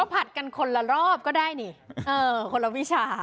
ผัดกันคนละรอบก็ได้นี่คนละวิชา